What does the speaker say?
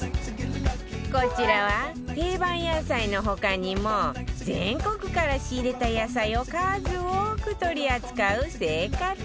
こちらは、定番野菜の他にも全国から仕入れた野菜を数多く取り扱う青果店